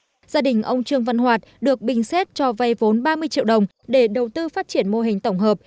gia đình ông trương văn hoạt được bình xét cho vay vốn ba mươi triệu đồng để đầu tư phát triển mô hình tổng hợp